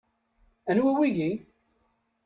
anwi wiyi?